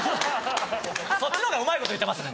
そっちの方がうまいこと言ってますね。